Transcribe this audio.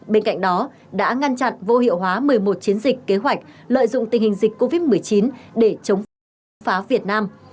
bên cạnh đó đã ngăn chặn vô hiệu hóa một mươi một chiến dịch kế hoạch lợi dụng tình hình dịch covid một mươi chín để chống phá chống phá việt nam